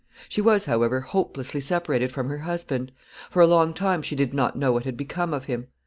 She was, however, hopelessly separated from her husband. For a long time she did not know what had become of him.